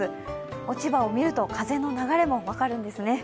落ち葉を見ると、風の流れも分かるんですね。